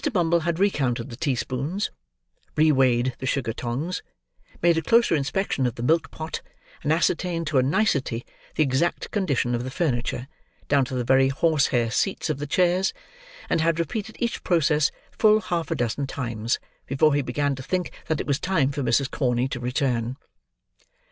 Bumble had re counted the teaspoons, re weighed the sugar tongs, made a closer inspection of the milk pot, and ascertained to a nicety the exact condition of the furniture, down to the very horse hair seats of the chairs; and had repeated each process full half a dozen times; before he began to think that it was time for Mrs. Corney to return.